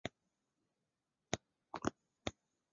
对联机是一类可以自动对对联的电脑程序的统称。